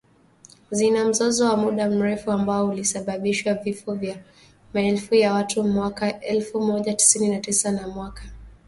Zina mzozo wa muda mrefu ambao ulisababishwa vifo vya maelfu ya watu mwaka elfu Moja tisini na tisa na mwaka elfu mbili na tatu